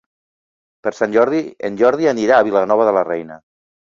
Per Sant Jordi en Jordi anirà a Vilanova de la Reina.